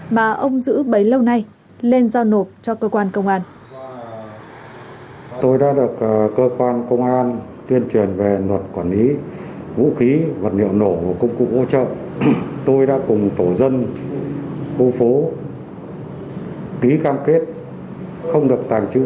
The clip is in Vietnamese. bấy lâu nay lên do nộp cho cơ quan công an